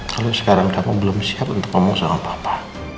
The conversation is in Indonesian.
kalau sekarang kamu belum siap untuk ngomong sama bapak